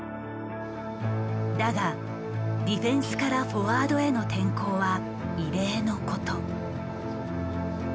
だがディフェンスからフォワードへの転向は異例のこと。